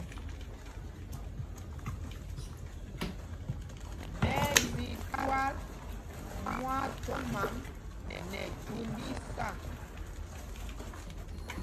Ɓɛ́ ɛ́ zi twǎl mwaathɔm ām nɛ thund isâ.